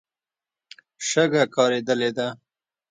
شګه کارېدلې ده.